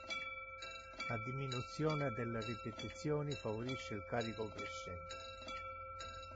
La diminuzione delle ripetizioni favorisce il carico crescente.